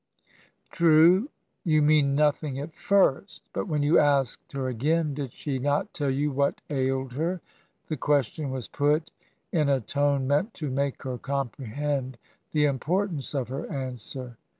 True, you mean nothing at /ir5^, but when you asked her again, did she not tell you what ailed her?' The question was put in a tone meant to make her comprehend the importance of her answer.